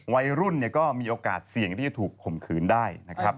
วัยรุ่นก็มีโอกาสเสี่ยงที่จะถูกคมคืนได้